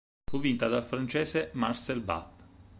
Fu vinta dal francese Marcel Bat.